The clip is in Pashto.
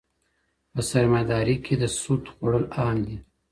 په سرمایه داري کي د سود خوړل عام دي.